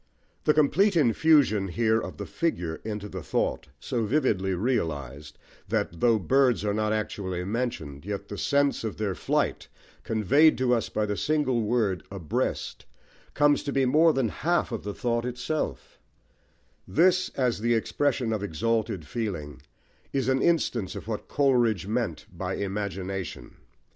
The complete infusion here of the figure into the thought, so vividly realised, that, though birds are not actually mentioned, yet the sense of their flight, conveyed to us by the single word "abreast," comes to be more than half of the thought itself: this, as the expression of exalted feeling, is an instance of what Coleridge meant by Imagination.